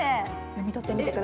読み取ってみる？